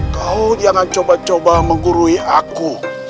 kau jangan coba coba menggurui aku